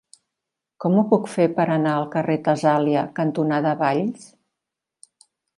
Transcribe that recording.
Com ho puc fer per anar al carrer Tessàlia cantonada Valls?